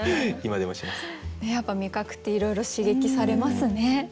やっぱり味覚っていろいろ刺激されますね。